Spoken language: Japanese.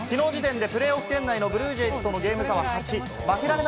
きのう時点でプレーオフ圏内のブルージェイズとのゲーム差は８。